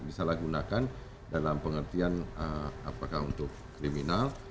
disalahgunakan dalam pengertian apakah untuk kriminal